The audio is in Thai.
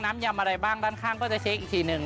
ยำอะไรบ้างด้านข้างก็จะเช็คอีกทีหนึ่ง